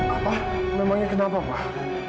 apa memangnya kenapa pak